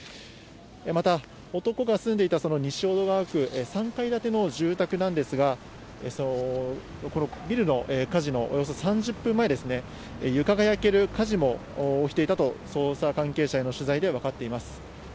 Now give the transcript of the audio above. また、男が住んでいたその西淀川区、３階建ての住宅なんですが、このビルの火事のおよそ３０分前、床が焼ける火事も起きていたと、捜査関係者への取材で分かっています。